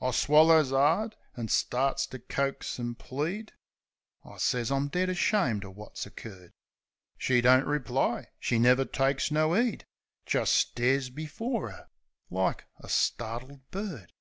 I swallers 'ard, an' starts to coax an' plead, I sez I'm dead ashamed o' wot's occurred. She don't reply; she never takes no 'eed; Jist stares before 'er like a startled bird.